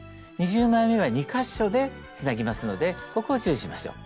２０枚めは２か所でつなぎますのでここを注意しましょう。